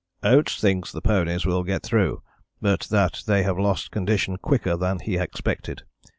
"Oates thinks the ponies will get through, but that they have lost condition quicker than he expected.